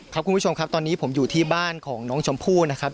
คุณผู้ชมครับตอนนี้ผมอยู่ที่บ้านของน้องชมพู่นะครับ